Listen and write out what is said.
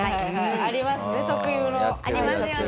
ありますね特有の。ありますよね。